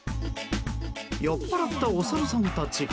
酔っ払ったおサルさんたち。